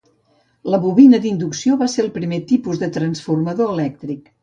La bobina d'inducció va ser el primer tipus de transformador elèctric.